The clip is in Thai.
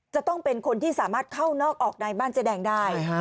จะต้องเป็นคนที่สามารถเข้านอกออกในบ้านเจ๊แดงได้